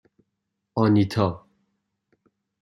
آنیتا